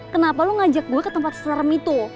kenapa lo ngajak gue ke tempat serem itu